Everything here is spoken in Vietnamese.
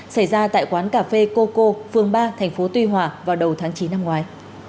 xảy ra tại quán cà phê coco phương ba tp tuy hòa vào đầu tháng chín năm ngoái